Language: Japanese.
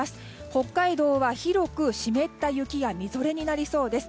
北海道は広く湿った雪やみぞれになりそうです。